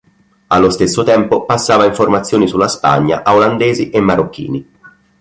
Allo stesso tempo passava informazioni sulla Spagna a olandesi e marocchini.